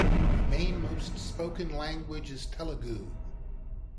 The main most spoken language is Telugu.